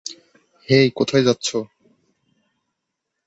হেই, কোথায় যাচ্ছ?